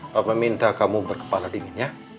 papa minta kamu berkepala dingin ya